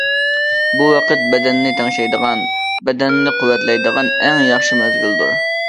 بۇ ۋاقىت بەدەننى تەڭشەيدىغان، بەدەننى قۇۋۋەتلەيدىغان ئەڭ ياخشى مەزگىلدۇر.